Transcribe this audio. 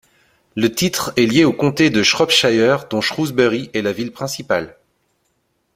Le titre est lié au comté de Shropshire, dont Shrewsbury est la ville principale.